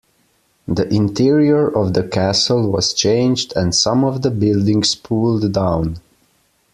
The interior of the castle was changed and some of the buildings pulled down.